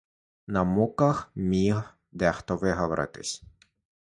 На муках міг дехто виговоритись.